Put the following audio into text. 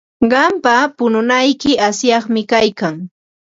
Qampa pununayki asyaqmi kaykan.